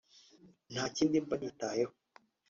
nta kindi mba nitayeho